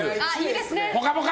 「ぽかぽか」！